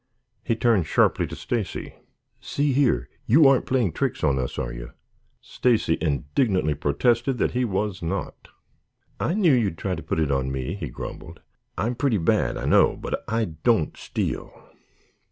He turned sharply to Stacy. "See here, you aren't playing tricks on us, are you?" Stacy indignantly protested that he was not. "I knew you'd try to put it on me," he grumbled. "I'm pretty bad, I know, but I don't steal."